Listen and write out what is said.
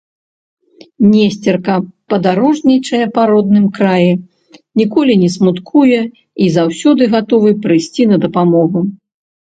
Несцерка падарожнічае па родным краі, ніколі не смуткуе і заўсёды гатовы прыйсці на дапамогу.